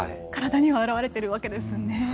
体にも表れているわけですね。